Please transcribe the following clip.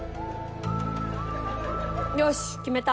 よし決めた！